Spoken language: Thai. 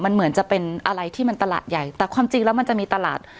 มันเหมือนจะเป็นอะไรที่มันตลาดใหญ่แต่ความจริงแล้วมันจะมีตลาด